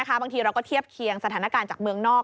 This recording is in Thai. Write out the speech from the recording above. บางทีเราก็เทียบเคียงสถานการณ์จากเมืองนอก